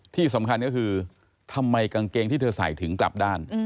ที่สำคัญก็คือทำไมกางเกงที่เธอใส่ถึงกลับด้าน